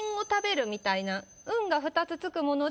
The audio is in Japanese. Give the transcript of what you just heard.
「ん」が２つつくもので。